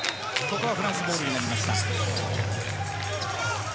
フランスボールになりました。